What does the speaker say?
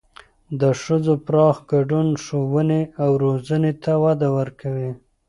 د ښځو پراخ ګډون ښوونې او روزنې ته وده ورکوي.